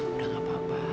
udah gak apa apa